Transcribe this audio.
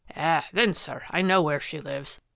" Eh, then, sir, I know where she lives.